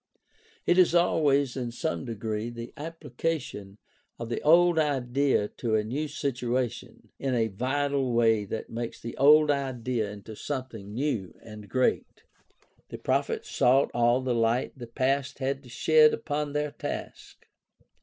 ^ It is always in some degree the application of the old idea to a new situation in a vital way that makes the old idea into something new and great. The prophets sought all the light the past had to shed upon their task.